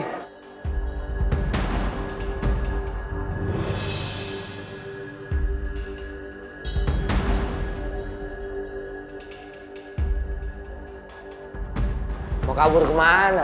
di bandara yang keceseestaan ya